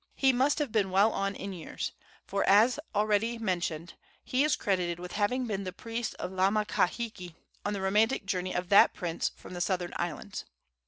He must have been well on in years, for, as already mentioned, he is credited with having been the priest of Laa mai kahiki on the romantic journey of that prince from the southern islands.